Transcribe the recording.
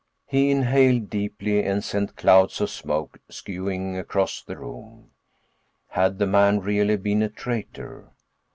He inhaled deeply and sent clouds of smoke skewing across the room. Had the man really been a traitor?